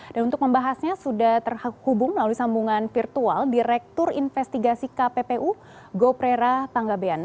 dan untuk membahasnya sudah terhubung melalui sambungan virtual direktur investigasi kppu goprera panggabean